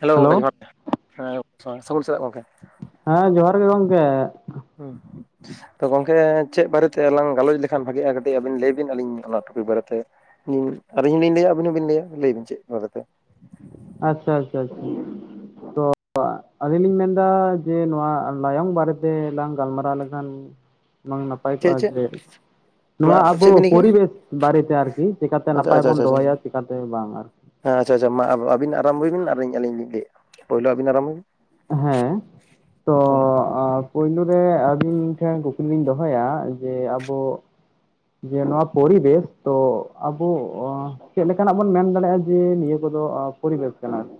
Hello ᱜᱚᱢᱠᱮ ᱡᱚᱦᱟᱨ ᱜᱮ ᱦᱮᱸ ᱥᱟᱹᱜᱩᱱ ᱥᱮᱛᱟᱜ ᱜᱚᱢᱠᱮ᱾ ᱦᱮᱸ ᱡᱚᱦᱟᱨ ᱜᱮ ᱜᱚᱝᱠᱮ᱾ [unintelligible] ᱛᱚ ᱜᱚᱝᱠᱮ ᱪᱮᱫ ᱵᱟᱨᱮ ᱛᱮ ᱟᱞᱟᱝ ᱜᱟᱞᱚᱪ ᱞᱮᱠᱷᱟᱱ ᱵᱷᱟᱜᱤᱜᱼᱟ ᱠᱟᱹᱴᱤᱡ ᱟᱹᱵᱤᱱ ᱞᱟᱹᱭ ᱵᱤᱱ ᱟᱹᱞᱤᱧ ᱚᱱᱟ ᱴᱚᱯᱤᱠ ᱵᱟᱨᱮᱛᱮ ᱟᱹᱞᱤᱧ ᱦᱚᱸ ᱞᱤᱧ ᱞᱟᱹᱭᱟ ᱟᱹᱵᱤᱱ ᱦᱚᱸᱵᱤᱱ ᱞᱟᱹᱭᱟ ᱞᱟᱹᱭ ᱵᱤᱱ ᱪᱮᱫ ᱵᱟᱨᱮᱛᱮ? ᱟᱪᱪᱷᱟ ᱟᱪᱪᱷᱟ ᱟᱪᱪᱷᱟ᱾ ᱛᱚ ᱟᱹᱞᱤᱧ ᱞᱤᱧ ᱢᱮᱱᱫᱟ ᱡᱮ ᱱᱚᱣᱟ ᱞᱟᱭᱚᱝ ᱵᱟᱨᱮᱛᱮ ᱞᱟᱝ ᱜᱟᱞᱢᱟᱨᱟᱣ ᱞᱮᱠᱷᱟᱱ ᱢᱟᱝ ᱱᱟᱯᱟᱭ ᱠᱚᱜ ᱪᱮᱫ ᱟ ᱪᱮᱫ ᱡᱮ ᱢᱟ ᱱᱚᱣᱟ ᱟᱵᱚ ᱪᱮᱫ ᱵᱤᱱ ᱞᱟᱹᱭ ᱠᱮᱜᱼᱟ ᱯᱚᱨᱤᱵᱮᱥ ᱵᱟᱨᱮᱛᱮ ᱟᱨᱠᱤ ᱪᱤᱠᱟᱹᱛᱮ ᱟᱪᱪᱷᱟ ᱱᱟᱯᱟᱭ ᱟᱪᱪᱷᱟ ᱵᱚᱱ ᱟᱪᱪᱷᱟ ᱟᱪᱪᱷᱟ ᱫᱚᱦᱚᱭᱟ ᱪᱤᱠᱟᱹᱛᱮ ᱵᱟᱝ ᱟᱨᱠᱤ ᱦᱮᱸ ᱟᱪᱷᱟ ᱟᱪᱷᱟ ᱢᱟ ᱟ. ᱵᱤᱱ ᱟᱨᱟᱢᱵᱚᱭ ᱵᱤᱱ ᱟᱞᱤᱧ ᱞᱤᱧ ᱞᱟᱹᱭᱟ ᱯᱳᱭᱞᱳ ᱟᱵᱤᱱ ᱟᱨᱚᱢᱵᱚᱭ ᱵᱤᱱ ᱦᱮᱸ ᱛᱚ ᱮ ᱯᱩᱭᱞᱩ ᱨᱮ ᱟᱹᱵᱤᱱ ᱴᱷᱮᱱ ᱠᱩᱠᱞᱤ ᱞᱤᱧ ᱫᱚᱦᱚᱭᱟ ᱡᱮ ᱟᱵᱚ ᱡᱮ ᱱᱚᱣᱟ ᱯᱚᱨᱤᱵᱮᱥ ᱛᱚ ᱟᱵᱚ ᱪᱮᱫ ᱞᱮᱠᱟᱱᱟᱜ ᱵᱚᱱ ᱢᱮᱱ ᱫᱟᱲᱮᱭᱟᱜᱼᱟ ᱡᱮ ᱱᱤᱭᱟᱹ ᱠᱚᱫᱚ ᱮ ᱯᱚᱨᱤᱵᱮᱥ ᱠᱟᱱᱟ ᱟᱨᱠᱤ